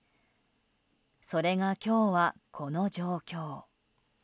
それが今日は、この状況。